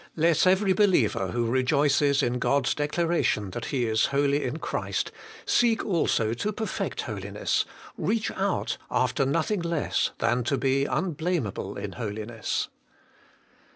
Let every believer who rejoices in God's declara tion that he is holy in Christ seek also to perfect holiness, reach out after nothing less than to be ' unblameable in holiness.'